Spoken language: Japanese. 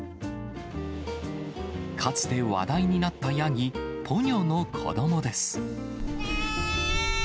かつて話題になったヤギ、ポニョの子どもです。